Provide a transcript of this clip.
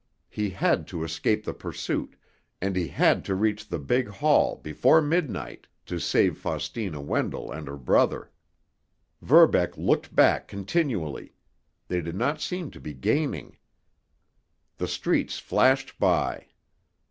He had to escape the pursuit, and he had to reach the big hall before midnight to save Faustina Wendell and her brother. Verbeck looked back continually—they did not seem to be gaining. The streets flashed by.